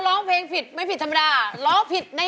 ร้องไห้ได้แล้ว